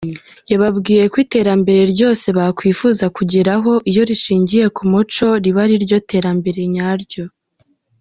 yababwiye ko iterambere ryose bakwifuza kugeraho iyo rishingiye kumuco riba ari ryo terambere nyaryo.